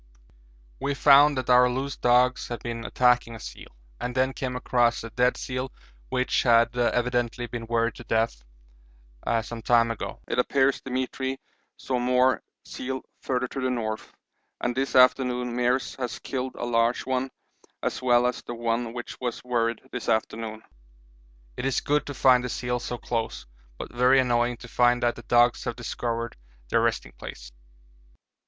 We found that our loose dogs had been attacking a seal, and then came across a dead seal which had evidently been worried to death some time ago. It appears Demetri saw more seal further to the north, and this afternoon Meares has killed a large one as well as the one which was worried this morning. It is good to find the seals so close, but very annoying to find that the dogs have discovered their resting place.